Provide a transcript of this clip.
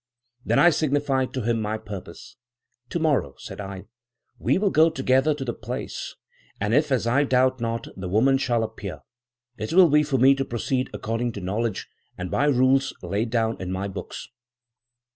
Then I signified to him my purpose. 'To morrow,' said I, 'we will go together to the place; and if, as I doubt not, the woman shall appear, it will be for me to proceed according to knowledge, and by rules laid down in my books.'"